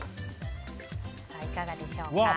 いかがでしょうか。